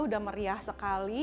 udah meriah sekali